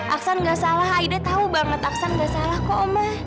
aksan gak salah aida tahu banget aksan gak salah kok om